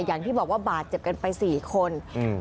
อย่างที่บอกว่าบาดเจ็บกันไปสี่คนอืม